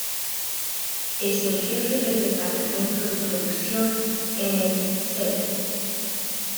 Es el jefe del departamento de producción en el "set".